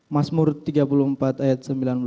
masmur tiga puluh empat ayat sembilan belas